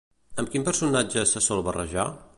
Amb quin personatge se sol barrejar?